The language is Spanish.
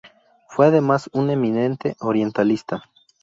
Fue además un eminente orientalista.